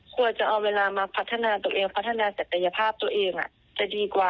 ควรจะเอาเวลามาพัฒนาตัวเองพัฒนาศักยภาพตัวเองจะดีกว่า